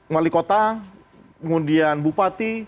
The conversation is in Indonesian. wali kota kemudian bupati